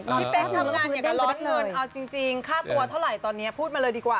เป๊กทำงานเกี่ยวกับเรื่องเงินเอาจริงค่าตัวเท่าไหร่ตอนนี้พูดมาเลยดีกว่า